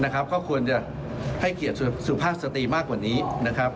ก็ควรจะให้เกียรติสุภาพสตรีมากกว่านี้นะครับ